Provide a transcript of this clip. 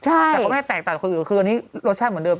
แต่ก็ไม่แตกต่างคนอื่นคืออันนี้รสชาติเหมือนเดิม